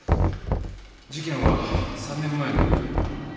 事件は３年前の冬